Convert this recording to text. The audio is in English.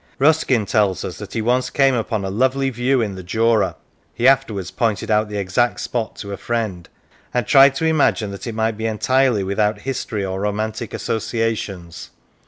Ruskin tells us that he once came upon a lovely view in the Jura (he afterwards pointed out the exact spot to a friend), and tried to imagine that it might be entirely without history or romantic associations.